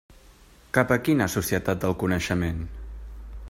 Cap a quina Societat del Coneixement?